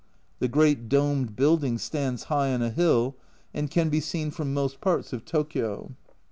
The great domed building stands high on a hill, and can be seen from most parts of Tokio.